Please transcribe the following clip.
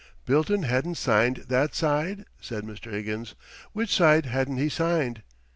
"Bilton hadn't signed that side?" said Mr. Higgins. "Which side hadn't he signed?"